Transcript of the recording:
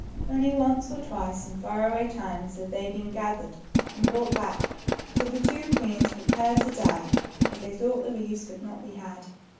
Only once or twice, in far away times, had they been gathered and brought back. So the two queens prepared to die, as they thought the leaves could not be had.